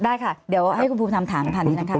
ได้ค่ะเดี๋ยวให้คุณภูมิทำถามหน่อยนะครับ